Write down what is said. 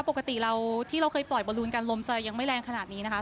ปกติเราที่เราเคยปล่อยบอลูนกันลมจะยังไม่แรงขนาดนี้นะคะ